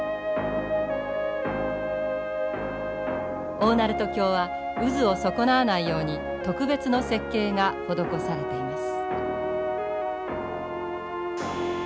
大鳴門橋は渦を損なわないように特別の設計が施されています。